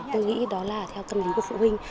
tôi nghĩ đó là theo tâm lý của phụ huynh